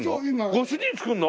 ご主人作るの！？